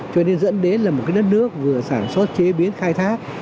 cho nên dẫn đến là một cái đất nước vừa sản xuất chế biến khai thác